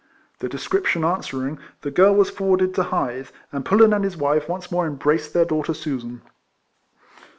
The description answering, the girl was for warded to Ilythe ; and Pullen and his wife once more embraced their daughter Susan.